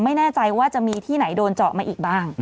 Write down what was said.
ไม่แน่ใจว่าจะมีที่ไหนโดนเจาะมาอีกบ้าง